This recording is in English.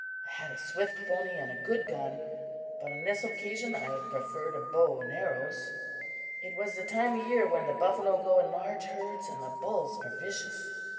I had a swift pony and a good gun, but on this occasion I preferred a bow and arrows. "It was the time of year when the buffalo go in large herds and the bulls are vicious.